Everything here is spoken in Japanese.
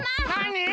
なに？